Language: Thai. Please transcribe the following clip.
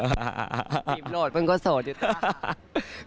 จีบโหลดเป็นก็โสดอยู่ตรงนั้นค่ะ